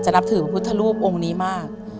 นับถือพระพุทธรูปองค์นี้มาก